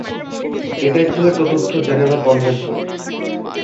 এটাই ছিল চতুর্থ জেনেভা কনভেনশন।